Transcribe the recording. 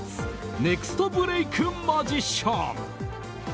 ネクストブレークマジシャン！